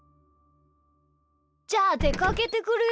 じゃあでかけてくるよ。